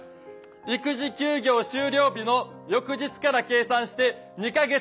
「育児休業終了日の翌日から計算して」。